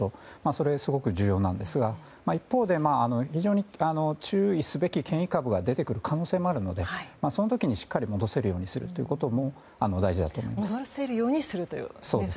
それはすごく重要なんですが一方で非常に注意すべき変異株が出てくる可能性もあるのでその時にしっかり戻せるようにすることも大事だと思います。